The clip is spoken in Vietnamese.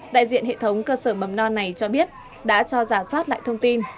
đại diện hệ thống cơ sở mầm non này cho biết đã cho giả soát lại thông tin